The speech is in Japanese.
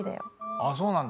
あっそうなんだ